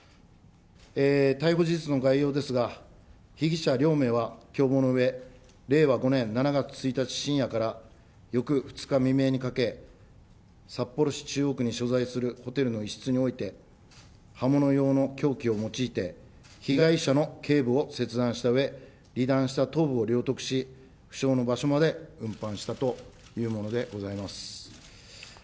逮捕事実の概要ですが、被疑者両名は共謀のうえ、令和５年７月１日深夜から翌２日未明にかけ、札幌市中央区に所在するホテルの一室において、刃物様の凶器を用いて、被害者のけい部を切断したうえ、離断した頭部を領得し、不詳の場所まで運搬したというものでございます。